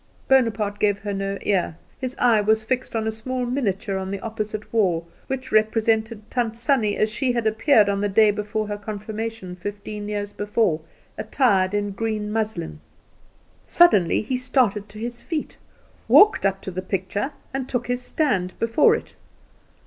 Bonaparte gave her no ear; his eye was fixed on a small miniature on the opposite wall, which represented Tant Sannie as she had appeared on the day before her confirmation, fifteen years before, attired in green muslin. Suddenly he started to his feet, walked up to the picture, and took his stand before it.